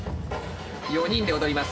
４人で踊ります。